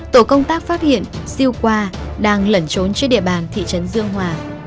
tổ công tác phát hiện siêu qua đang lẩn trốn trên địa bàn thị trấn dương hòa